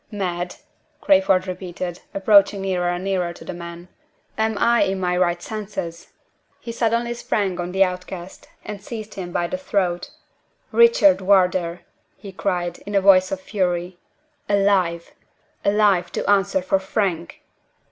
"Mad?" Crayford repeated, approaching nearer and nearer to the man. "Am I in my right senses?" He suddenly sprang on the outcast, and seized him by the throat. "Richard Wardour!" he cried, in a voice of fury. "Alive! alive, to answer for Frank!"